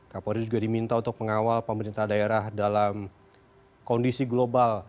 kapolri juga diminta untuk mengawal pemerintah daerah dalam kondisi global